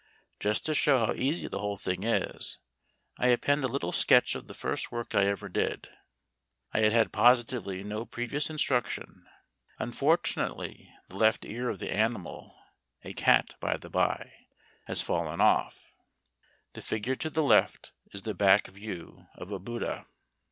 Just to show how easy the whole thing is, I append a little sketch of the first work I ever did. I had had positively no previous instruction. Unfortunately the left ear of the animal a cat, by the bye has fallen off. (The figure to the left is the back view of a Buddha.)